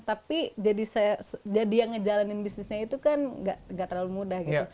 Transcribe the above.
tapi jadi yang ngejalanin bisnisnya itu kan gak terlalu mudah gitu